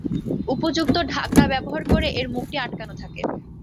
উপযুক্ত ঢাকনা ব্যবহার করে এর মুখটি আটকানো থাকে।